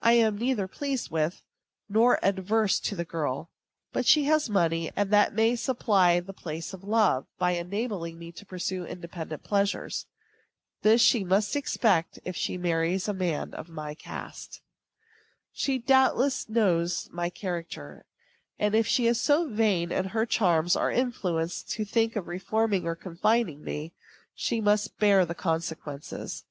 I am neither pleased with nor averse to the girl; but she has money, and that may supply the place of love, by enabling me to pursue independent pleasures. This she must expect, if she marries a man of my cast. She, doubtless, knows my character; and if she is so vain of her charms or influence as to think of reforming or confining me, she must bear the consequences.